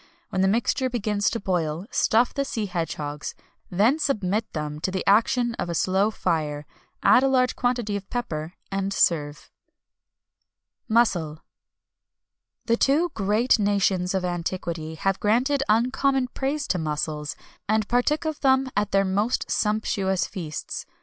When the mixture begins to boil, stuff the sea hedgehogs, then submit them to the action of a slow fire; add a large quantity of pepper, and serve."[XXI 247] MUSSEL. The two great nations of antiquity have granted uncommon praise to mussels, and partook of them at their most sumptuous feasts.